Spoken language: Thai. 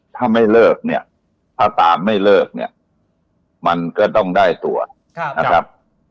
ถ้าไม่เลิกเนี่ยถ้าตามไม่เลิกเนี่ยมันก็ต้องได้ตัวนะครับ